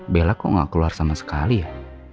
bella kok gak keluar sama sekali ya